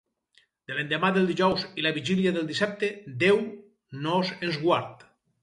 De l'endemà del dijous i la vigília del dissabte, Déu nos en guard.